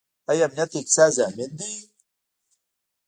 آیا امنیت د اقتصاد ضامن دی؟